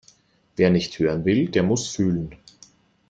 Wer nicht hören will, der muss fühlen.